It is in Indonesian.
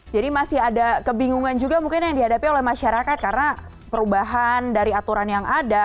jadi masih ada kebingungan juga mungkin yang dihadapi oleh masyarakat karena perubahan dari aturan yang ada